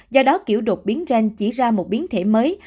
do đó kiểu đột biến gen chỉ ra một biến thể mới